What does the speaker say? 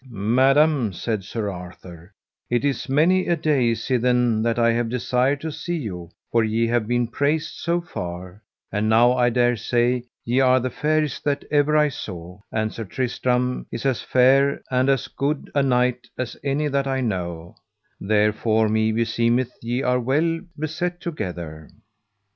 Madam, said Sir Arthur, it is many a day sithen that I have desired to see you, for ye have been praised so far; and now I dare say ye are the fairest that ever I saw, and Sir Tristram is as fair and as good a knight as any that I know; therefore me beseemeth ye are well beset together.